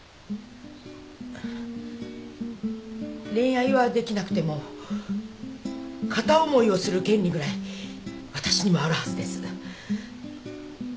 恋愛はできなくても片思いをする権利ぐらい私にもあるはずです。